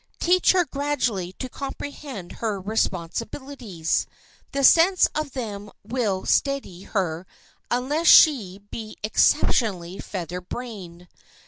Teach her gradually to comprehend her responsibilities. The sense of them will steady her unless she be exceptionally feather brained.